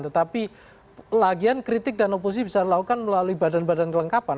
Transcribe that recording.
tetapi lagian kritik dan oposisi bisa dilakukan melalui badan badan kelengkapan